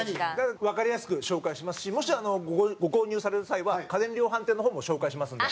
わかりやすく紹介しますしもし、ご購入される際は家電量販店の方も紹介しますので。